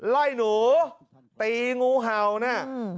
ไล่หนูตีงูเห่านะ